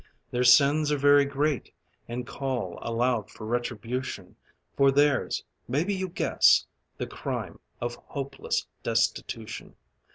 Their sins are very great, and call Aloud for retribution, For their's (maybe you guess!) the crime Of hopeless destitution.